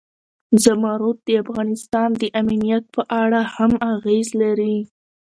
زمرد د افغانستان د امنیت په اړه هم اغېز لري.